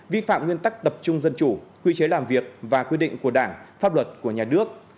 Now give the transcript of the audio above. vi phạm nguyên tắc tập trung dân chủ quy chế làm việc và quy định của đảng pháp luật của nhà nước